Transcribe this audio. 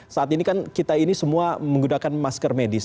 saat ini kan kita ini semua menggunakan masker medis